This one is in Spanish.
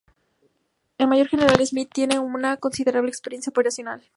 El Mayor General Smith tiene una considerable experiencia operacional.